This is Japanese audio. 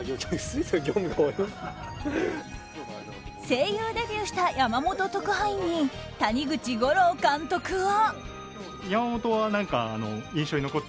声優デビューした山本特派員に谷口悟朗監督は。